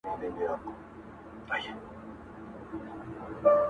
o پر کاله ټول امتحان راسي مگر,